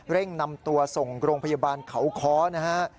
นำตัวส่งโรงพยาบาลเขาค้อนะฮะ